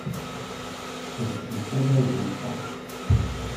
Tesqedcem tadabut-a.